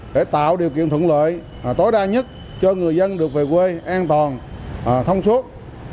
để tạo điều kiện thuận lợi tối đa nhất cho người dân được về quê an toàn thông suốt